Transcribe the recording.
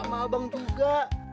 sama abang juga